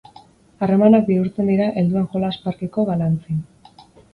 Harremanak bihurtzen dira helduen jolas-parkeko balantzin.